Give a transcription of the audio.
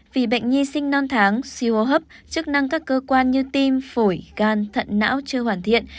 vì bệnh nhi sinh non tháng siêu hô hấp chức năng các cơ quan như tim phổi gan thận não chưa hoàn thiện